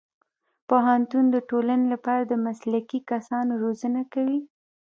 پوهنتون د ټولنې لپاره د مسلکي کسانو روزنه کوي.